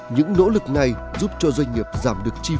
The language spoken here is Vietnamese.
những nỗ lực này giúp cho doanh nghiệp giảm được kinh doanh